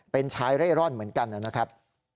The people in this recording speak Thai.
เป็นชายเร่ร่อนเหมือนกันนะครับ